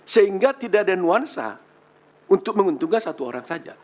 sehingga tidak ada nuansa untuk menguntungkan satu orang saja